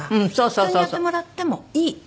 「人にやってもらってもいい」。